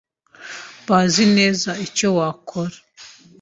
bazi neza icyo wakora